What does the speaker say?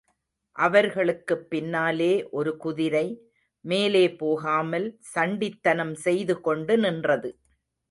அவர்களுக்குப் பின்னாலே ஒரு குதிரை, மேலே போகாமல், சண்டித்தனம் செய்து கொண்டு நின்றது.